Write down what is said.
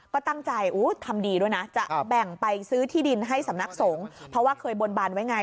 ก็ตั้งใจทำดีด้วยนะจะแบ่งไปซื้อที่ดินให้สำนักสงฆ์เพราะว่าเคยบนบานไว้ไง